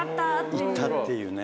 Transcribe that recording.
行った！っていうね。